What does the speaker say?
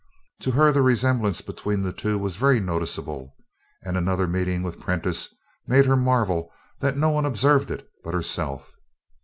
To her, the resemblance between the two was very noticeable, and another meeting with Prentiss made her marvel that no one observed it but herself.